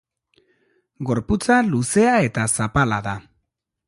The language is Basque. Gorputza luzea eta zapala da.